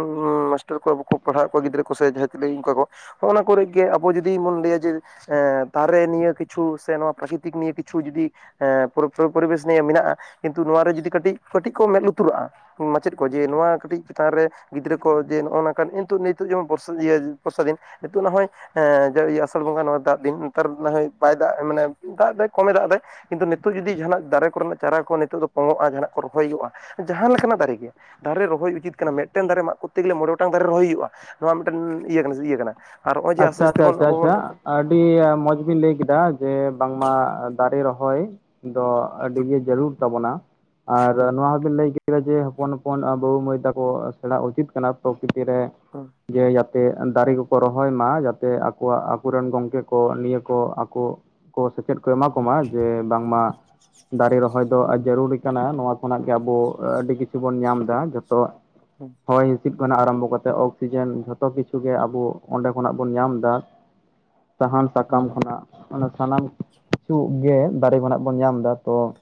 ᱢᱟᱥᱴᱟᱨ ᱠᱚ ᱟᱵᱚ ᱠᱚ ᱯᱟᱲᱦᱟᱣ ᱮᱫ ᱠᱚᱣᱟ ᱜᱤᱫᱽᱨᱟᱹ ᱠᱚ ᱥᱮ ᱡᱟᱦᱟᱸᱭ ᱛᱤᱱᱟᱜ ᱤᱱᱠᱟ ᱠᱚ ᱦᱚᱸᱜᱼ ᱚᱱᱟ ᱠᱚᱨᱮᱜ ᱜᱮ ᱟᱵᱚ ᱡᱩᱫᱤ ᱵᱚᱱ ᱞᱟᱹᱭᱟ᱾ ᱡᱮ ᱮ ᱫᱟᱨᱮ ᱱᱤᱭᱟᱹ ᱠᱤᱪᱷᱩ ᱥᱮ ᱱᱚᱣᱟ ᱯᱨᱟᱠᱤᱛᱤᱠ ᱱᱤᱭᱮ ᱠᱤᱪᱷᱩ ᱡᱩᱫᱤ ᱦᱮ ᱯᱩᱨᱟᱹ ᱯᱚᱨᱤᱵᱮᱥ ᱱᱤᱭᱮ ᱢᱮᱱᱟᱜᱼᱟ ᱠᱤᱱᱛᱩ ᱱᱚᱣᱟ ᱨᱮ ᱡᱩᱫᱤ ᱠᱟᱹᱴᱤᱡ ᱠᱟᱹᱴᱤᱡ ᱠᱚ ᱢᱮᱸᱫ ᱞᱩᱛᱩᱨᱟᱜᱼᱟ᱾ ᱠᱚ ᱢᱟᱪᱮᱫ ᱠᱚ ᱡᱮ ᱱᱚᱣᱟ ᱠᱟᱹᱴᱤᱡ ᱪᱮᱛᱟᱱ ᱨᱮ ᱜᱤᱫᱽᱨᱟᱹ ᱠᱚ ᱡᱮ ᱱᱚᱜᱼᱚ ᱱᱚᱝᱠᱟ ᱱᱤᱛᱚᱜ ᱱᱤᱛᱚᱜ ᱡᱮᱢᱚᱱ ᱵᱚᱨᱥᱟ ᱤᱭᱟᱹ ᱵᱚᱨᱥᱟ ᱫᱤᱱ ᱱᱤᱛᱚᱜ ᱱᱟᱦᱚᱭ ᱮᱸ ᱡᱟᱹ ᱤᱭᱟᱹ ᱟᱥᱟᱲ ᱵᱚᱸᱜᱟ ᱱᱚᱣᱟ ᱫᱟᱜ ᱫᱤᱱ ᱱᱮᱛᱟᱨ ᱱᱟᱦᱚᱭ ᱵᱟᱭ ᱫᱟᱜ ᱢᱟᱱᱮ ᱫᱟᱜ ᱫᱟᱭ ᱠᱚᱢᱮ ᱫᱟᱜ ᱫᱟᱭ ᱠᱤᱱᱛᱩ ᱱᱤᱛᱚᱜ ᱡᱩᱫᱤ ᱡᱟᱦᱟᱱᱟᱜ ᱫᱟᱨᱮ ᱠᱚ ᱨᱮᱱᱟᱜ ᱪᱟᱨᱟ ᱠᱚ ᱱᱤᱛᱚᱜ ᱫᱚ ᱯᱚᱝᱜᱚᱜᱼᱟ ᱡᱟᱦᱟᱱᱟᱜ ᱠᱚ ᱨᱚᱦᱚᱭ ᱦᱩᱭᱩᱜᱼᱟ, ᱡᱟᱦᱟᱸ ᱞᱮᱠᱟᱱᱟᱜ ᱫᱟᱨᱮ ᱜᱮ᱾ ᱫᱟᱨᱮ ᱨᱚᱦᱚᱭ ᱩᱪᱤᱛ ᱠᱟᱱᱟ, ᱢᱤᱫᱴᱮᱱ ᱫᱟᱨᱮ ᱢᱟᱜ ᱠᱚᱨᱛᱮ ᱜᱮᱞᱮ ᱢᱚᱬᱮ ᱜᱚᱴᱟᱝ ᱫᱟᱨᱮ ᱨᱮ ᱨᱚᱦᱚᱭ ᱦᱩᱭᱩᱜᱼᱟ᱾ ᱱᱚᱣᱟ ᱢᱤᱫᱴᱮᱱ ᱤᱭᱟᱹ ᱠᱟᱱᱟ ᱥᱮ ᱤᱭᱟᱹ ᱠᱟᱱᱟ ᱟᱨ ᱦᱚᱜᱼᱚᱭ ᱡᱮ ᱟᱥᱛᱮ ᱟᱪᱪᱷᱟ ᱟᱥᱛᱮ ᱟᱪᱪᱷᱟ ᱵᱚᱱ ᱟᱪᱪᱷᱟ ᱟᱵᱚ ᱵᱚᱱ ᱟᱪᱪᱷᱟ ᱟᱹᱰᱤ ᱢᱚᱸᱡᱽ ᱵᱤᱱ ᱞᱟᱹᱭ ᱠᱮᱫᱟ ᱡᱮ ᱵᱟᱝᱢᱟ ᱫᱟᱨᱮ ᱨᱚᱦᱚᱭ ᱫᱚ ᱟᱹᱰᱤ ᱦᱩᱸ ᱜᱮ ᱡᱟᱹᱨᱩᱲ ᱛᱟᱵᱚᱱᱟ ᱟᱨ ᱱᱚᱣᱟ ᱦᱚᱸ ᱵᱮᱱ ᱞᱟᱹᱭ ᱠᱮᱫ ᱪᱮᱫᱟᱜ ᱡᱮ ᱦᱚᱯᱚᱱ ᱦᱚᱯᱚᱱ ᱢᱟᱹᱭ ᱛᱟᱠᱚ ᱥᱮᱬᱟ ᱩᱪᱤᱛ ᱠᱟᱱᱟ ᱯᱨᱚᱠᱤᱛᱤ ᱨᱮ ᱦᱩᱸ ᱡᱮ ᱡᱟ ᱡᱮ ᱫᱟᱨᱮ ᱠᱚᱠᱚ ᱨᱚᱦᱚᱭ ᱢᱟ ᱡᱟᱛᱮ ᱟᱠᱚᱣᱟᱜ ᱟᱠᱚ ᱨᱮᱱ ᱜᱚᱢᱠᱮ ᱠᱚ ᱱᱤᱭᱟᱹ ᱠᱚ ᱟᱠᱚ ᱠᱚ ᱥᱮᱪᱮᱫ ᱠᱚ ᱮᱢᱟ ᱠᱚᱢᱟ ᱡᱮ ᱵᱟᱝᱢᱟ ᱫᱟᱨᱮ ᱨᱚᱦᱚᱭ ᱫᱚ ᱦᱩᱸ ᱡᱟᱹᱨᱩᱲ ᱠᱟᱱᱟ ᱱᱚᱣᱟ ᱠᱷᱚᱱᱟᱜ ᱜᱮ ᱟᱵᱚ ᱟᱹᱰᱤ ᱠᱤᱪᱷᱩ ᱵᱚᱱ ᱧᱟᱢ ᱫᱟ ᱡᱚᱛᱚᱣᱟᱜ ᱦᱚᱭ ᱦᱤᱸᱥᱤᱫ ᱦᱩᱸ ᱠᱷᱚᱱᱟᱜ ᱟᱨᱟᱢᱵᱷᱚ ᱠᱟᱛᱮᱫ ᱚᱠᱥᱤᱡᱮᱱ ᱡᱷᱚᱛᱚ ᱠᱤᱪᱷᱩ ᱜᱮ ᱟᱵᱚ ᱚᱸᱰᱮ ᱠᱷᱚᱱᱟᱜ ᱵᱚᱱ ᱧᱟᱢ ᱫᱟ ᱥᱟᱦᱟᱱ ᱦᱩᱸ ᱦᱩᱸ ᱦᱩᱸ ᱦᱩᱸ ᱥᱟᱠᱟᱢ ᱠᱷᱚᱱᱟᱜ ᱼᱼ ᱚᱱᱟ ᱥᱟᱱᱟᱢ ᱠᱤᱪᱷᱩ ᱜᱮ ᱫᱟᱨᱮ ᱠᱷᱚᱱᱟᱜ ᱵᱚᱱ ᱧᱟᱢ ᱫᱟ ᱛᱚ ᱼᱼ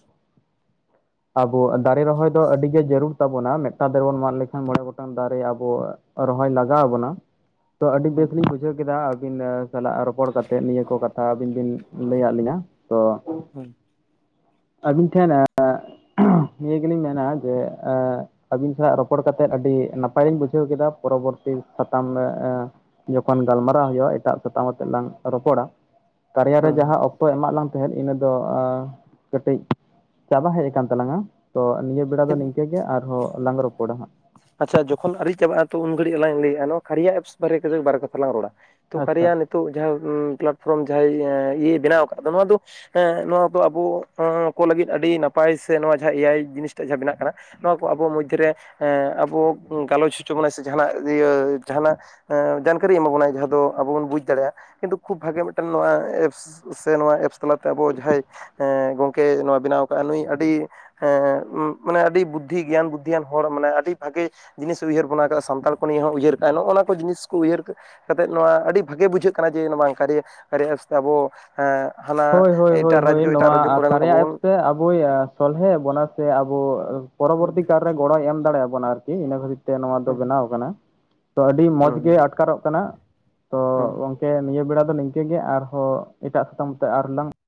ᱟᱵᱚ ᱫᱟᱨᱮ ᱨᱚᱦᱚᱭ ᱫᱚ ᱟᱹᱰᱤ ᱜᱮ ᱡᱟᱹᱨᱩᱲ ᱛᱟᱵᱚᱱᱟ ᱢᱤᱫᱴᱟᱝ ᱫᱟᱨᱮ ᱵᱚᱱ ᱢᱟᱜ ᱞᱮᱠᱷᱟᱱ ᱢᱚᱬᱮ ᱜᱚᱴᱟᱝ ᱫᱟᱨᱮ ᱟᱵᱚ ᱼᱼ ᱨᱚᱦᱚᱭ ᱞᱟᱜᱟᱣ ᱟᱵᱚᱱᱟ ᱛᱚ ᱟᱹᱰᱤ ᱦᱩᱸ ᱵᱮᱥ ᱦᱩᱸ ᱞᱤᱧ ᱵᱩᱡᱷᱟᱹᱣ ᱼᱼ ᱠᱮᱫᱟ᱾ ᱟᱹᱵᱤᱱ ᱥᱟᱞᱟᱜ ᱨᱚᱯᱚᱲ ᱠᱟᱛᱮᱫ ᱱᱤᱭᱟᱹ ᱠᱚ ᱠᱟᱛᱷᱟ ᱟᱹᱵᱤᱱ ᱵᱤᱱ ᱞᱟᱹᱭᱟᱫ ᱞᱤᱧᱟ ᱾ ᱛᱚ ᱦᱩᱸ ᱟᱹᱵᱤᱱ ᱴᱷᱮᱱ [unintelligible] ᱼᱼ [unintelligible] ᱱᱤᱭᱟᱹ ᱜᱮᱞᱤᱧ ᱢᱮᱱᱼᱟ ᱡᱮ ᱮᱼᱼ ᱟᱹᱵᱤᱱ ᱥᱟᱞᱟᱜ ᱨᱚᱯᱚᱲ ᱠᱟᱛᱮᱫ ᱟᱹᱰᱤ ᱱᱟᱯᱟᱭ ᱞᱤᱧ ᱵᱩᱡᱷᱟᱹᱣ ᱠᱮᱫᱟ᱾ ᱯᱚᱨᱚᱵᱚᱨᱛᱤ ᱥᱟᱛᱟᱢ ᱢᱮᱜ ᱮᱸᱼᱼ ᱡᱚᱠᱷᱚᱱ ᱜᱟᱞᱢᱟᱨᱟᱣ ᱦᱩᱭᱩᱜᱼᱟ ᱮᱴᱟᱜ ᱥᱟᱛᱟᱢ ᱟᱛᱮᱫ ᱞᱟᱝ ᱨᱚᱯᱚᱲᱟ᱾ ᱠᱟᱨᱭᱟ ᱨᱮ ᱦᱩᱸ ᱡᱟᱦᱟᱸ ᱚᱠᱛᱚ ᱮᱢᱟᱫ ᱞᱟᱝ ᱼᱼ ᱛᱟᱦᱮᱸᱫ ᱤᱱᱟᱹ ᱫᱚ ᱮᱸ ᱠᱟᱹᱴᱤᱡ ᱪᱟᱵᱟ ᱦᱮᱡ ᱟᱠᱟᱱ ᱛᱟᱞᱟᱝᱼᱟ ᱾ ᱛᱚ ᱱᱤᱭᱟᱹ ᱵᱮᱲᱟ ᱫᱚ ᱱᱤᱝᱠᱟᱹ ᱜᱮ ᱟᱨᱦᱚᱸ ᱞᱟᱝ ᱨᱚᱯᱚᱲᱟ ᱦᱟᱸᱜ ᱾ ᱟᱪᱪᱷᱟ ᱡᱚᱠᱷᱚᱱ ᱟᱹᱣᱨᱤ ᱪᱟᱵᱟᱜᱼᱟ ᱛᱚ ᱩᱱ ᱜᱷᱟᱹᱲᱤᱡ ᱞᱟᱝ ᱞᱟᱹᱭᱮᱫᱼᱟ ᱱᱚᱣᱟ ᱠᱟᱨᱭᱟ ᱮᱯᱥ ᱵᱟᱨᱮ ᱛᱮᱜᱮ ᱵᱟᱨ ᱠᱟᱛᱷᱟ ᱞᱟᱝ ᱨᱚᱲᱟ ᱾ ᱛᱚ ᱟᱪᱪᱷᱟ ᱠᱟᱨᱭᱟ ᱱᱤᱛᱚᱜ ᱡᱟᱦᱟᱸ ᱩᱸ ᱯᱞᱟᱴᱯᱷᱨᱚᱢ ᱡᱟᱦᱟᱸᱭ ᱮᱸ ᱤᱭᱟᱹᱭ ᱵᱮᱱᱟᱣ ᱟᱠᱟᱫ ᱫᱚ ᱱᱚᱣᱟ ᱫᱚ ᱼᱼ ᱦᱮᱸ ᱱᱚᱣᱟ ᱫᱚ ᱟᱵᱚ ᱟᱸ ᱠᱚ ᱞᱟᱹᱜᱤᱫ ᱟᱹᱰᱤ ᱱᱟᱯᱟᱭ ᱥᱮ ᱱᱚᱣᱟ ᱡᱟᱦᱟᱸ ᱮᱭᱟᱭ ᱡᱤᱱᱤᱥ ᱴᱟᱜ ᱡᱟᱦᱟᱸ ᱵᱮᱱᱟᱜ ᱠᱟᱱᱟ ᱼᱼ ᱱᱚᱣᱟ ᱠᱚ ᱟᱵᱚ ᱢᱚᱫᱽᱫᱷᱮ ᱨᱮ ᱮᱸ ᱟᱵᱚ ᱜᱟᱞᱚᱪ ᱦᱚᱪᱚ ᱵᱚᱱᱟᱭ ᱥᱮ ᱡᱟᱦᱟᱱᱟᱜ ᱤᱭᱟᱹ ᱡᱟᱦᱟᱱᱟᱜ ᱼᱼ ᱮᱸ ᱡᱟᱱᱠᱟᱨᱤ ᱮᱢᱟ ᱵᱚᱱᱟᱭ ᱡᱟᱦᱟᱸ ᱫᱚ ᱟᱵᱚ ᱵᱚᱱ ᱵᱩᱡᱽ ᱫᱟᱲᱮᱭᱟᱜᱼᱟ ᱠᱤᱱᱛᱩ ᱠᱷᱩᱵ ᱵᱷᱟᱜᱮ ᱢᱤᱫᱴᱟᱝ ᱱᱚᱣᱟ ᱮᱯᱥ ᱼᱼ ᱥᱮ ᱱᱚᱣᱟ ᱮᱯᱥ ᱛᱟᱞᱟ ᱛᱮ ᱟᱵᱚ ᱡᱟᱦᱟᱸᱭ ᱮᱸ ᱜᱚᱝᱠᱮ ᱱᱚᱣᱟ ᱵᱮᱱᱟᱣ ᱠᱟᱜ ᱟᱭ ᱱᱩᱭ ᱟᱹᱰᱤ ᱼᱼ ᱦᱮᱸ ᱢᱟᱱᱮ ᱟᱹᱰᱤ ᱵᱩᱫᱽᱫᱷᱤ ᱜᱮᱭᱟᱱ ᱵᱩᱫᱽᱫᱤᱭᱟᱱ ᱦᱚᱲ ᱢᱟᱱᱮ ᱟᱹᱰᱤ ᱼᱼ ᱵᱷᱟᱜᱮ ᱡᱤᱱᱤᱥ ᱩᱭᱦᱟᱹᱨ ᱵᱚᱱᱟ ᱟᱠᱟᱫᱼᱟ ᱥᱟᱱᱛᱟᱲ ᱠᱚ ᱱᱤᱭᱮ ᱦᱚᱸ ᱩᱭᱦᱟᱹᱨ ᱠᱟᱜᱼᱟᱭ ᱱᱚᱜᱼᱚ ᱱᱚᱣᱟ ᱠᱚ ᱡᱤᱱᱤᱥ ᱠᱚ ᱩᱭᱦᱟᱹᱨ ᱼᱼ ᱠᱟᱛᱮᱫ ᱱᱚᱣᱟ ᱟᱹᱰᱤ ᱵᱷᱟᱜᱮ ᱵᱩᱡᱷᱟᱹᱜ ᱠᱟᱱᱟ ᱡᱮ ᱱᱚᱣᱟ ᱠᱟᱨᱮ ᱠᱟᱨᱭᱟ ᱮᱯᱥ ᱼᱼ ᱟᱵᱚ ᱦᱮᱸ ᱦᱟᱱᱟ ᱦᱳᱭ ᱮᱴᱟᱜ ᱨᱟᱡᱽᱡᱚ ᱮᱴᱟᱜ ᱨᱟᱡᱽᱡᱚ ᱠᱚ ᱨᱮᱱ ᱟᱵᱚ ᱵᱚᱱ ᱼᱼ ᱟᱵᱚᱭᱟ ᱾ ᱥᱚᱞᱦᱮ ᱟᱵᱚᱱᱟ ᱥᱮ ᱟᱵᱚ ᱦᱩᱸ ᱯᱚᱨᱚᱵᱚᱨᱛᱤ ᱠᱟᱞ ᱨᱮ ᱜᱚᱲᱚᱭ ᱮᱢ ᱫᱟᱲᱮ ᱟᱵᱚᱱᱟ ᱟᱨᱠᱤ ᱤᱱᱟᱹ ᱠᱷᱟᱹᱛᱤᱨ ᱼᱼ ᱛᱮ ᱱᱚᱣᱟ ᱫᱚ ᱦᱩᱸ ᱵᱮᱱᱟᱣ ᱟᱠᱟᱱᱟ ᱛᱚ ᱟᱹᱰᱤ ᱢᱚᱡᱽ ᱦᱩᱸ ᱜᱮ ᱟᱴᱠᱟᱨᱚᱜ ᱠᱟᱱᱟ᱾ ᱛᱚ ᱦᱩᱸ ᱜᱚᱝᱠᱮ ᱱᱤᱭᱟᱹ ᱵᱮᱲᱟ ᱫᱚ ᱱᱤᱝᱠᱟᱹ ᱜᱮ ᱟᱨᱦᱚᱸ ᱮᱴᱟᱜ ᱥᱟᱛᱟᱢ ᱛᱮ ᱟᱨ ᱞᱟᱝ ᱼᱼ